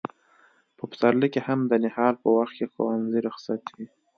په پسرلي کې هم د نهال په وخت کې ښوونځي رخصت وي.